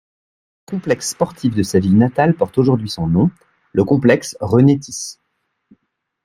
Un complexe sportif de sa ville natale porte aujourd'hui son nom, le complexe René-Tys.